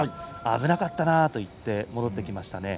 危なかったなあと言って戻ってきました。